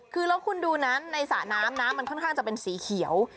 คือแล้วคุณดูนั้นในสระน้ำน้ำมันค่อนข้างจะเป็นสีเขียว